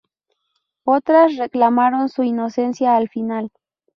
Otras reclamaron su inocencia al final.